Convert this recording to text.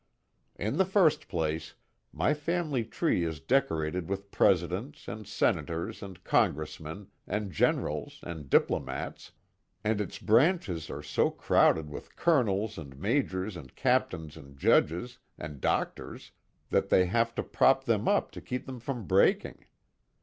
In the first place my family tree is decorated with presidents, and senators, and congress men, and generals, and diplomats, and its branches are so crowded with colonels, and majors and captains and judges, and doctors, that they have to prop them up to keep them from breaking.